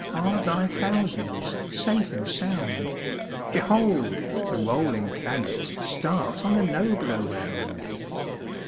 Are thy thousands safe and sound? Behold! the rolling planet Starts on a nobler round.